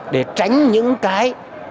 để tránh những cái